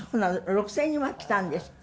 ６，０００人も来たんですって。